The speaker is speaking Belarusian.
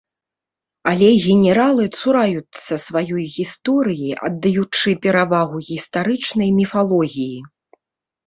Але генералы цураюцца сваёй гісторыі, аддаючы перавагу гістарычнай міфалогіі.